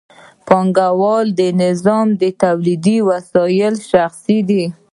په پانګوالي نظام کې تولیدي وسایل شخصي دي